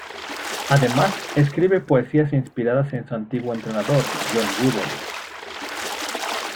Además, escribe poesías inspiradas en su antiguo entrenador, John Wooden.